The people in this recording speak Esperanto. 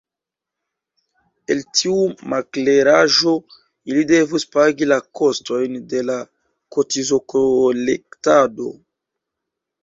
El tiu makleraĵo ili devus pagi la kostojn de la kotizokolektado.